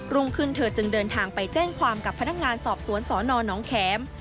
รุ่งขึ้นเธอจึงเดินทางไปแจ้งความกับพนักงานสอบสวนสนน้องแข็ม